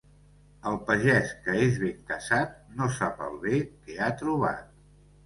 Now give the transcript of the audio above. El pagès que és ben casat no sap el bé que ha trobat.